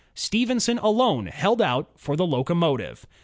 Stephenson alone held out for the locomotive.